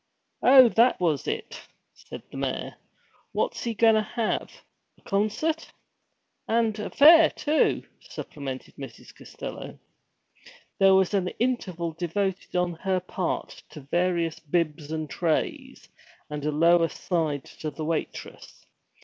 'Oh, that was it?' said the mayor. 'What's he goin' to have a concert?' ' And a fair, too!' supplemented Mrs. Costello. There was an interval devoted on her part to various bibs and trays, and a low aside to the waitress.